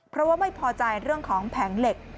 เพราะว่าไม่พอใจเรื่องของแผงเหล็ก